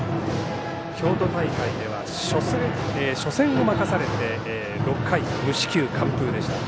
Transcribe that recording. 京都大会では初戦を任されて６回、無四球完封でした。